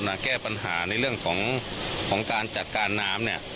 มาแก้ปัญหาในเรื่องของการจัดการน้ำเนี่ย